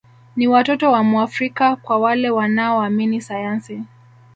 Ni watoto wa Mwafrika kwa wale wanaoamini sayansi